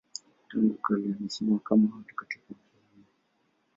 Tangu kale wanaheshimiwa kama watakatifu wafiadini.